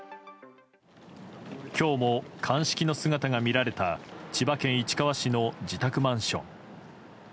今日も鑑識の姿が見られた千葉県市川市の自宅マンション。